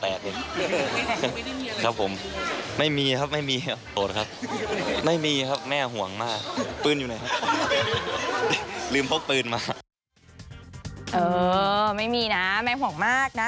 ไม่มีนะแม่ห่วงมากนะ